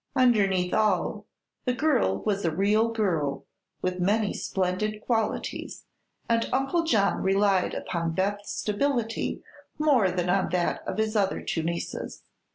Underneath all, the girl was a real girl, with many splendid qualities, and Uncle John relied upon Beth's stability more than on that of his other two nieces.